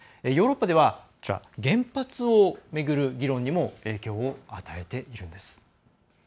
ヨーロッパでは、原発を巡る議論にも影響を与えているんです。